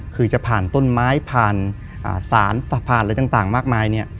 คือจะผ่านต้นไม้ผ่านสารสะพานอะไรต่างมากมายเนี่ย